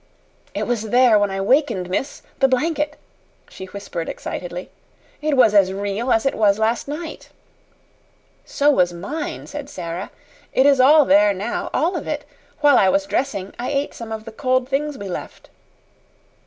"It was there when I wakened, miss the blanket," she whispered excitedly. "It was as real as it was last night." "So was mine," said Sara. "It is all there now all of it. While I was dressing I ate some of the cold things we left."